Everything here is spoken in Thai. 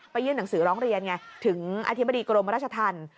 ยื่นหนังสือร้องเรียนไงถึงอธิบดีกรมราชธรรม